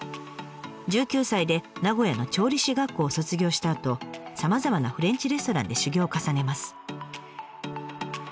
１９歳で名古屋の調理師学校を卒業したあとさまざまなフレンチレストランで修業を重ねます。